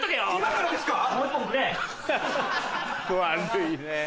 悪いねぇ。